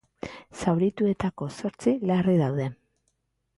Zaurituetako zortzi larri daude.